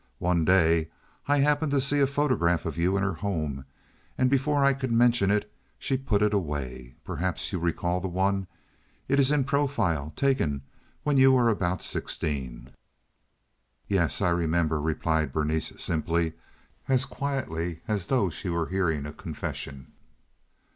One day I happened to see a photograph of you in her home, and before I could mention it she put it away. Perhaps you recall the one. It is in profile—taken when you were about sixteen." "Yes, I remember," replied Berenice, simply—as quietly as though she were hearing a confession.